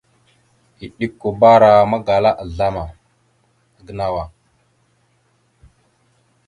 Eɗʉkabara magala azlam a gənow a.